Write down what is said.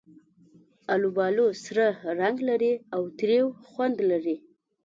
آلوبالو سره رنګ لري او تریو خوند لري.